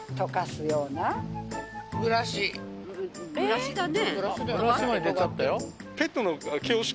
ブラシだね。